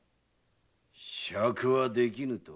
酌はできぬと？